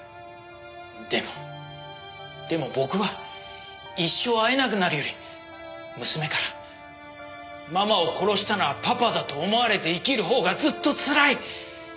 でもでも僕は一生会えなくなるより娘からママを殺したのはパパだと思われて生きるほうがずっとつらい！